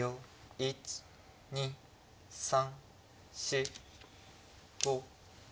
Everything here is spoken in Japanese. １２３４５。